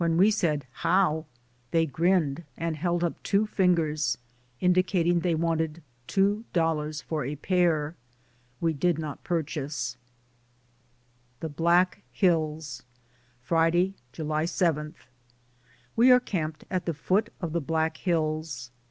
133 we said "How," they grinned and held up two fingers, indicating they wanted two dol lars for a pair. We did not purchase. THE BLACK HILLS. Friday, July 7. We are camped at the foot of the Black Hills.